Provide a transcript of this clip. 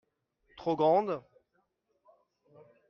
trop grande.